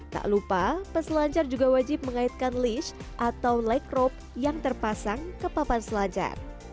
tak lupa peselancar juga wajib mengaitkan list atau like rope yang terpasang ke papan selancar